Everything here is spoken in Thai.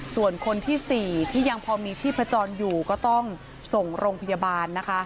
ส่วนคนที่๔ที่ยังพอมีชีพจรอยู่ก็ต้องส่งโรงพยาบาลนะคะ